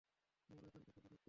আমরা এখান থেকে পালাচ্ছি।